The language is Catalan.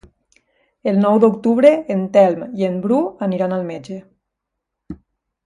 El nou d'octubre en Telm i en Bru aniran al metge.